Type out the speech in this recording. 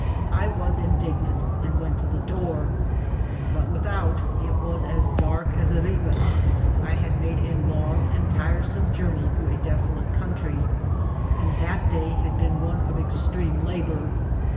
I was mdignant, and went to the door, but without it was dark as Erebus. I had made a long and tiresome journey through a des olate country, and that day had been one of extreme labour.